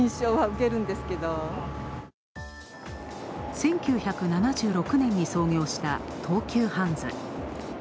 １９７６年に創業した東急ハンズ。